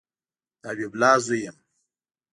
د حبیب الله زوی یم